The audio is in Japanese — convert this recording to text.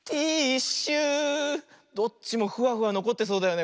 どっちもフワフワのこってそうだよね。